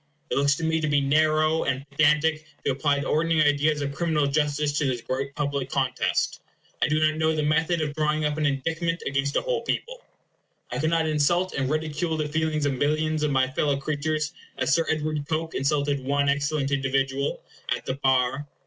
It looks to me to be narrow and pedantic to apply the ordinary ideas of criminal justice to this great public contest. I do not know the method of drawing up an indictment against a whole people. I cannot insult and ridicule the feelings of millions of my fellow creatures as Sir Edward Coke insulted one excellent individual (Sir Walter Raleigh) at the bar.